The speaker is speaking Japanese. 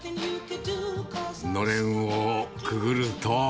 のれんをくぐると。